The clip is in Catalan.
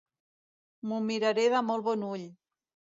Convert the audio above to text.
M'ho miraré de molt bon ull.